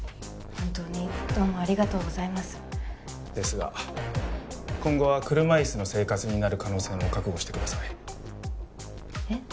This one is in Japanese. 本当にどうもありがとうございますですが今後は車椅子の生活になる可能性も覚悟してくださいえっ？